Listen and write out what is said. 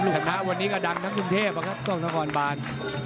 ชนะวันนี้ก็ดังทั้งกรุงเทพนะครับกล้องนครบาน